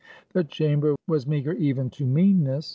The chamber was meager even to meanness.